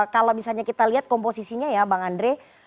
kalau misalnya kita lihat komposisinya ya bang andre